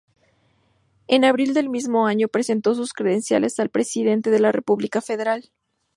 En abril del mismo año presentó sus credenciales al Presidente de la República Federal.